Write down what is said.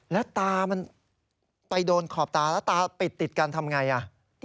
แล้วตามันไปโดนขอบตาแล้วตาติดกันทำอย่างไร